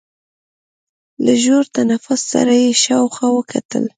له ژور تنفس سره يې شاوخوا وکتل.